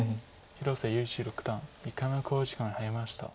広瀬優一六段１回目の考慮時間に入りました。